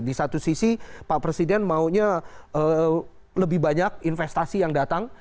di satu sisi pak presiden maunya lebih banyak investasi yang datang